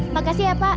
makasih ya pak